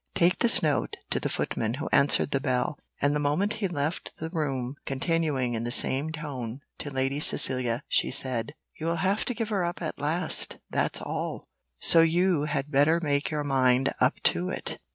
Take this note " to the footman who answered the bell; and the moment he left the room, continuing, in the same tone, to Lady Cecilia, she said "You will have to give her up at last that's all; so you had better make your mind up to it."